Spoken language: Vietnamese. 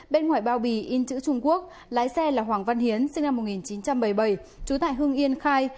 bên ngoài bao bì in chữ trung quốc lái xe là hoàng văn hiến sinh năm một nghìn chín trăm bảy mươi bảy trú tại hưng yên khai